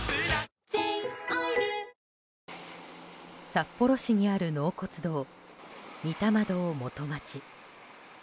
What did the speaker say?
札幌市にある納骨堂御霊堂元町。